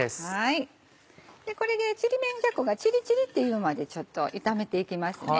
これでちりめんじゃこがチリチリっていうまでちょっと炒めていきます。